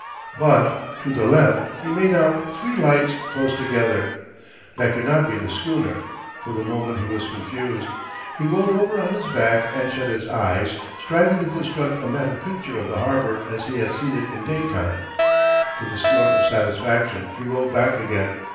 But to the left he made out three lights close together. That could not be the schooner. For the moment he was confused. He rolled over on his back and shut his eyes, striving to construct a mental picture of the harbor as he had seen it in daytime. With a snort of satisfaction he rolled back again.